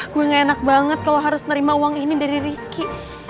gue gak enak banget kalau harus nerima uang ini dari rizky